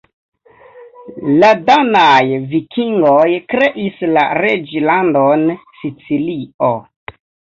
La danaj vikingoj kreis la Reĝlandon Sicilio.